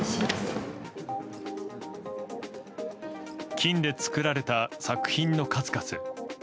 金で作られた作品の数々。